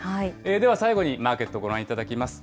では最後にマーケットご覧いただきます。